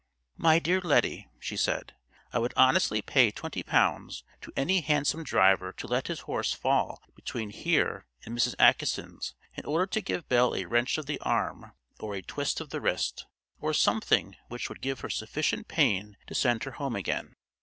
"My dear Lettie," she said, "I would honestly pay twenty pounds to any hansom driver to let his horse fall between here and Mrs. Acheson's in order to give Belle a wrench of the arm or a twist of the wrist, or something which would give her sufficient pain to send her home again."